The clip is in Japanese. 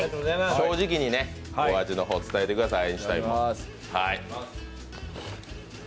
正直にね、お味の方伝えてください。